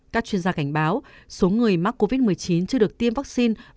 các chuyên gia cảnh báo số người mắc covid một mươi chín chưa được tiêm vaccine